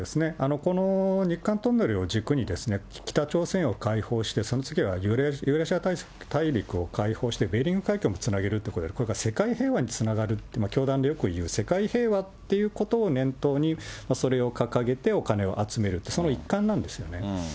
この日韓トンネルを軸に、北朝鮮を開放して、その次はユーラシア大陸を開放して、ベーリング海峡をつなげる、これが世界平和につながる、教団でよくいう世界平和っていうことを念頭に、それを掲げてお金を集める、その一環なんですよね。